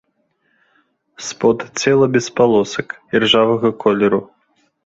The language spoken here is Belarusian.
Спод цела без палосак, іржавага колеру.